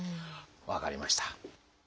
分かりました。